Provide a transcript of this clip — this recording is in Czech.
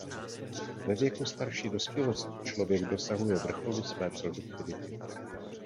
Ve věku starší dospělosti člověk dosahuje vrcholu své produktivity.